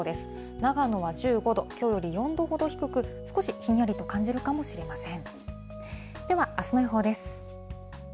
長野は１５度、きょうより４度ほど低く、少しひんやりと感じるかもしれません。